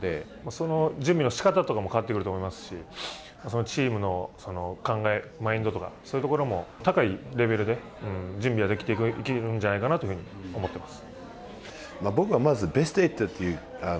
その準備の仕方とかも変わってくると思いますしチームの考えマインドとかそういうところも高いレベルで準備はできるんじゃないかなと思っています。